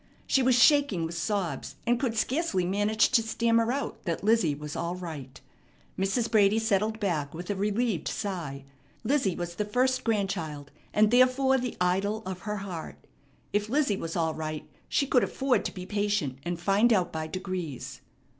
She was shaking with sobs, and could scarcely manage to stammer out that Lizzie was all right. Mrs. Brady settled back with a relieved sigh. Lizzie was the first grandchild, and therefore the idol of her heart. If Lizzie was all right, she could afford to be patient and find out by degrees.